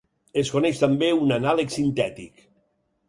Es coneix també un anàleg sintètic.